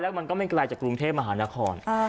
มันก็ไม่ไกลจากกรุงเทพมหานคร